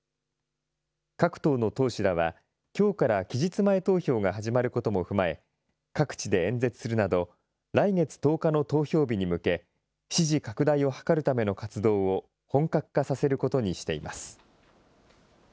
各党の党首らは、きょうから期日前投票が始まることも踏まえ、各地で演説するなど、来月１０日の投票日に向け、支持拡大を図るための活動を、本格化させることにしています。